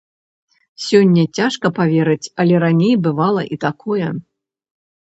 Сёння цяжка паверыць, але раней бывала і такое.